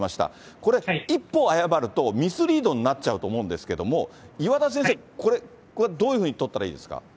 これ、一歩誤ると、ミスリードになっちゃうと思うんですけど、岩田先生、これはどういうふうに取ったらいいですか？